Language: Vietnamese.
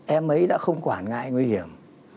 em ấy đã không quản ngại nguy hiểm